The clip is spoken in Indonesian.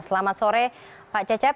selamat sore pak cecep